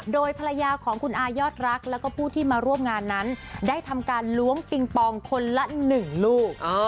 โดยภรรยาของคุณอายอดรักแล้วก็ผู้ที่มาร่วมงานนั้นได้ทำการล้วงปิงปองคนละ๑ลูก